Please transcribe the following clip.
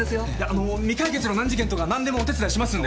あのー未解決の難事件とか何でもお手伝いしますんで。